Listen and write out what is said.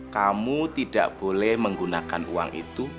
kamu tidak boleh menggunakan uang itu